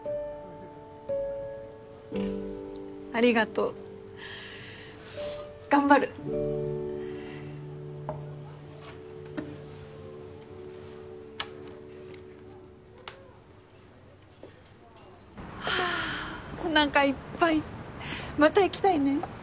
ありがとう頑張るはあおなかいっぱいまた行きたいね